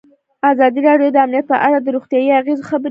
ازادي راډیو د امنیت په اړه د روغتیایي اغېزو خبره کړې.